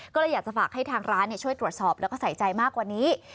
ก็เลยอยากจะฝากให้ทางร้านช่วยตรวจสอบแล้วก็ใส่ใจมากกว่านี้